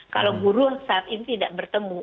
kalau guru saat ini tidak bertemu